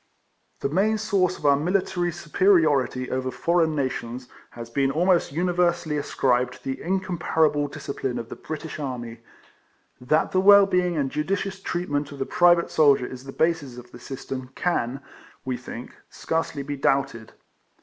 The main source of our military supe riority over foreign nations has been almost universally ascribed to the incomparable discipline of the British army. That the well being and judicious treatment of the private soldier is the basis of this system can (we think) scarcely be doubted.